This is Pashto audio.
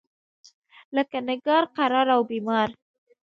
لکه نګار، قرار او بیمار.